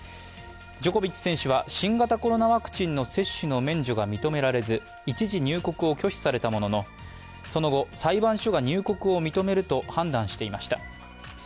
ジョコビッチ選手は新型コロナワクチンの接種の免除が認められず一時入国を拒否されたものの、その後、裁判所が入国を認めると判断していました。